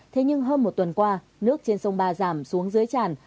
thế nhưng hơn một tuần qua nước trên sông ba giảm xuống dưới tràn